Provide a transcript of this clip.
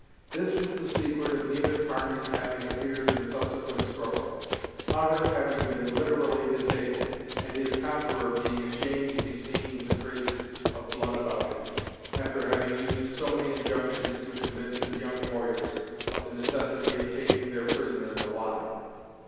This was the secret of neither party's having appeared in the subsequent struggle; Hutter having been literally disabled, and his conqueror being ashamed to be seen with the traces of blood about him, after having used so many injunctions to convince his young warriors of the necessity of taking their prisoners alive.